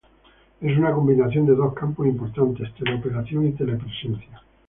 Es una combinación de dos campos importantes, tele-operación y tele-presencia.